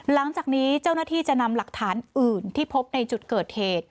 หลังจากนี้เจ้าหน้าที่จะนำหลักฐานอื่นที่พบในจุดเกิดเหตุ